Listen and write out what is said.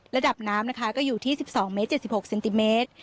ระดับน้ำนะคะก็อยู่ที่๑๒เมตร๗๖เซนติเมตร